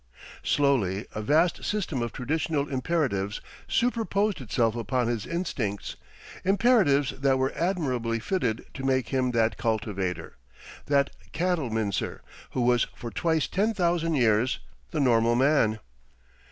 Slowly a vast system of traditional imperatives superposed itself upon his instincts, imperatives that were admirably fitted to make him that cultivator, that cattle mincer, who was for twice ten thousand years the normal man.